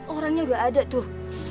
orangnya udah ada tuh